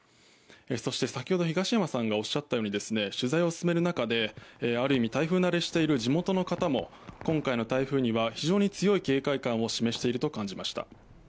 そして、先ほど東山さんがおっしゃったように取材を進める中である意味、台風慣れしている地元の方も今回の台風には非常に強い警戒感を示していると感じました。